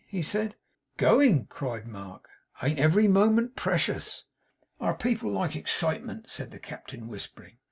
he said. 'Going!' cried Mark. 'Ain't every moment precious?' 'Our people like ex citement,' said the Captain, whispering.